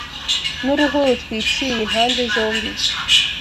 n’uruhu rutwikiriye impande zombi